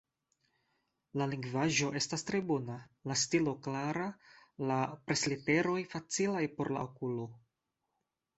La lingvaĵo estas tre bona, la stilo klara, la presliteroj facilaj por la okulo.